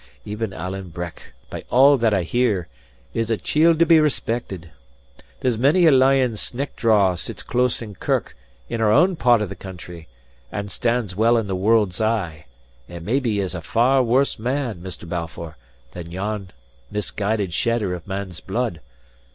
Even Alan Breck, by all that I hear, is a chield to be respected. There's many a lying sneck draw sits close in kirk in our own part of the country, and stands well in the world's eye, and maybe is a far worse man, Mr. Balfour, than yon misguided shedder of man's blood.